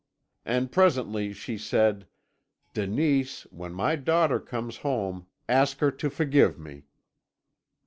And presently she said: 'Denise, when my daughter comes home ask her to forgive me.'